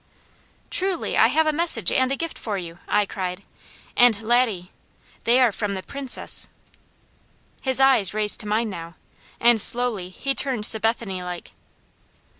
"Truly I have a message and a gift for you," I cried, "and Laddie they are from the Princess!" His eyes raised to mine now, and slowly he turned Sabethany like.